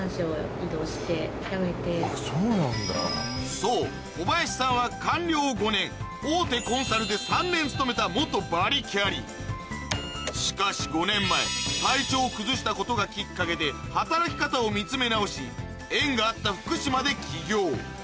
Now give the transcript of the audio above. そう小林さんは官僚５年大手コンサルで３年勤めた元バリキャリしかし５年前体調を崩したことがきっかけで働き方を見詰め直し縁があった福島で起業